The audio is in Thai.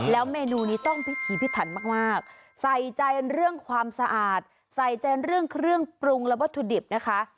แล้วเมนูนี้ต้องพิธีพิถันมากใส่ใจเรื่องความสะอาดใส่ใจเรื่องเครื่องปรุงและวัตถุดิบนะคะ